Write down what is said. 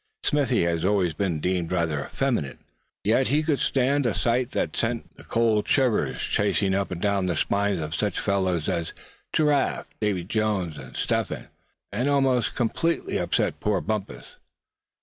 Smithy had always been deemed rather effeminate; yet here he could stand a sight that sent the cold shivers chasing up and down the spines of such fellows as Giraffe, Davy Jones, and Step Hen, and almost completely upset poor Bumpus.